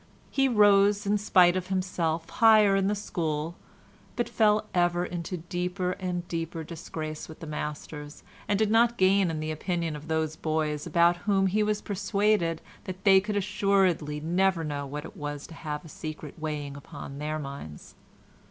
He rose, in spite of himself, higher in the school, but fell ever into deeper and deeper disgrace with the masters, and did not gain in the opinion of those boys about whom he was persuaded that they could assuredly never know what it was to have a secret weighing upon their minds.